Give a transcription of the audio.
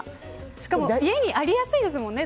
しかも家にありやすいですもんね